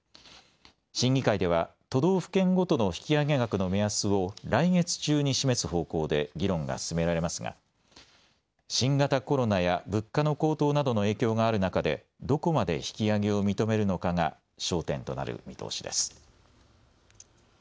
審議会では都道府県ごとの引き上げ額の目安を来月中に示す方向で議論が進められますが新型コロナや物価の高騰などの影響がある中で、どこまで引き上げを認めるのかが焦点となる見通しです。